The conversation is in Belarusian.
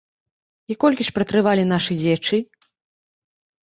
І колькі ж пратрывалі нашы дзеячы?